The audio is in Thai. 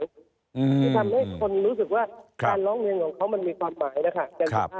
ที่ทำให้คนรู้สึกว่าการร้องเรียนของเขามันมีความหมายแล้วค่ะ